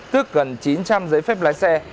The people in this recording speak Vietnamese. tước gần chín trăm linh giấy phép lái xe